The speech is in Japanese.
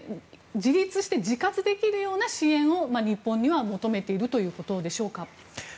自立して自活できるような支援を日本には求めているということでしょうか。